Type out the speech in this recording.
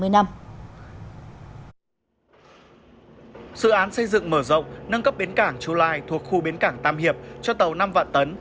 dự án xây dựng mở rộng nâng cấp bến cảng chu lai thuộc khu bến cảng tam hiệp cho tàu năm vạn tấn